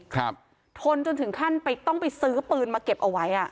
ทนจนถึงขั้นไปต้องไปซื้อปืนมาเก็บเอาไว้อ่ะ